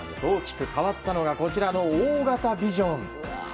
大きく変わったのがこちらの大型ビジョン。